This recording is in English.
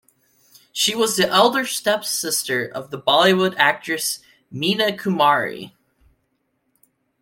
She was the elder step-sister of the Bollywood actress Meena Kumari.